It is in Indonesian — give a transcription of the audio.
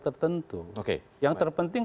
tertentu yang terpenting